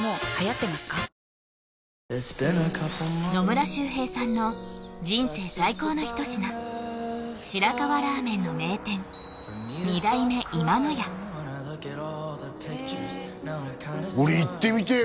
コリャ野村周平さんの人生最高の一品白河ラーメンの名店二代目いまの家俺行ってみてえ